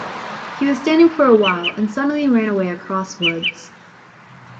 He was standing for a while and suddenly ran away across woods.